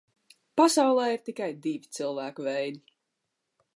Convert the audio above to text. Pasaulē ir tikai divi cilvēku veidi.